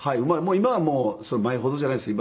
今はもう前ほどじゃないですけど。